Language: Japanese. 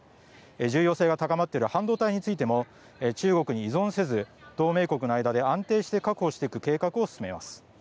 重要性が高まっている半導体についても中国に依存せず同盟国の間で安定して確保していく計画を進めます。